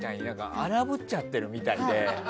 あらぶっちゃってるみたいで。